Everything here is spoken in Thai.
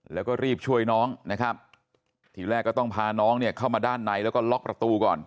แล้วก็รีบช่วยน้องนะครับทีแรกก็ต้องพาน้องเนี่ยเข้ามาด้านในแล้วก็ล็อกประตูก่อน